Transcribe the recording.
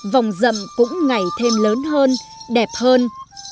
vòng dậm cũng ngày thêm lớn hơn đẹp hơn